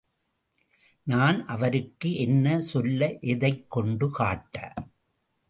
நான் அவருக்கு என்ன சொல்ல, எதைக் கொண்டு காட்ட?